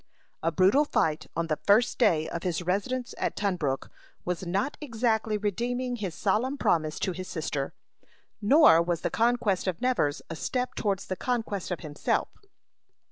A brutal fight on the first day of his residence at Tunbrook was not exactly redeeming his solemn promise to his sister; nor was the conquest of Nevers a step towards the conquest of himself.